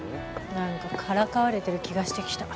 何かからかわれてる気がしてきた。